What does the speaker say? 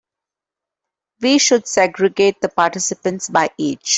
We should segregate the participants by age.